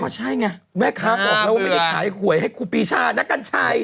ใช่ไงแม่ค้าบอกแล้วว่าไม่ได้ขายหวยให้ครูปีชานะกัญชัย